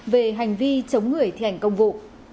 về hành vi chống người thi hành công vụ